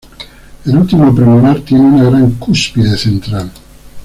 El último premolar tiene una gran cúspide central.